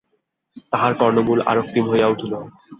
তাহার কর্ণমূল আরক্তিম হইয়া উঠিল।